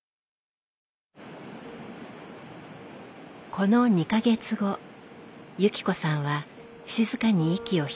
この２か月後由紀子さんは静かに息を引き取りました。